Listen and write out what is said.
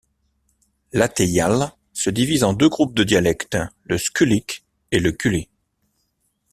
L'atayal se divise en deux groupes de dialectes, le squliq et le c’uli.